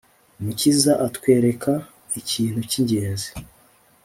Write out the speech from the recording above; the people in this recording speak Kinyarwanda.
Umukiza atwereka ikintu cyingenzi